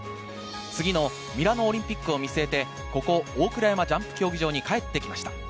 次のミラノオリンピックを見据えて、ここ大倉山ジャンプ競技場に帰ってきました。